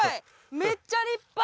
めっちゃ立派！